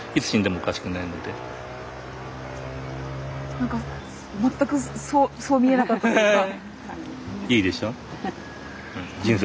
何か全くそう見えなかったから。